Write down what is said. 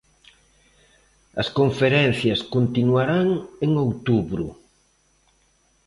As conferencias continuarán en outubro.